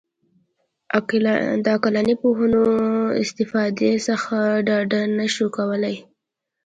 د عقلاني پوهو استفادې څخه ډډه نه شو کولای.